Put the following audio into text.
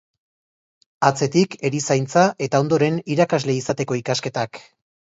Atzetik, erizaintza, eta ondoren irakasle izateko ikasketak.